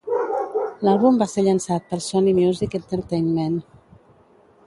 L'àlbum va ser llançat per Sony Music Entertainment.